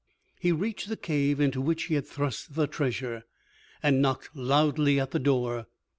He reached the cave into which he had thrust the treasure, and knocked loudly at the door.